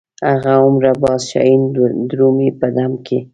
هغه هومره باز شاهین درومي په دم کې.